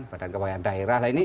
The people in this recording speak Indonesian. badan kepegawaian daerah